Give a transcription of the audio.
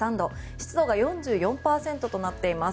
湿度が４４％となっています。